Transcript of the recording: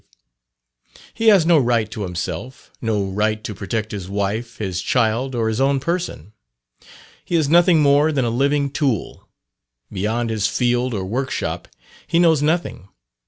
He has no right to himself, no right to protect his wife, his child, or his own person. He is nothing more than a living tool. Beyond his field or workshop he knows nothing.